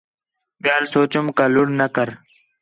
ٻِیال سُوچم کا لُڑھ نہ کرے